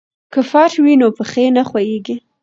که فرش وي نو پښې نه ښویېږي.